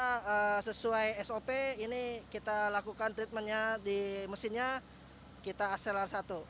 karena sesuai sop ini kita lakukan treatmentnya di mesinnya kita aselar satu